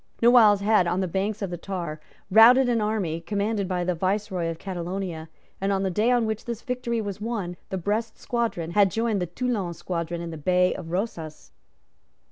Noailles had, on the banks of the Tar, routed an army commanded by the Viceroy of Catalonia; and, on the day on which this victory was won, the Brest squadron had joined the Toulon squadron in the Bay of Rosas.